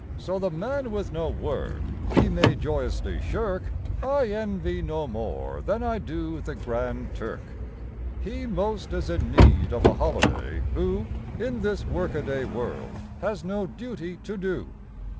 So the man with no work He may joyously shirk I envy no more than I do the Grand Turk. He most is in need of a holiday, who, In this workaday world, has no duty to do.